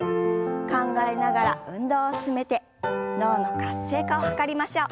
考えながら運動を進めて脳の活性化を図りましょう。